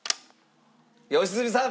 良純さん！